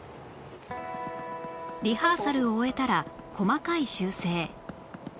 リハーサルを終えたら細かい修正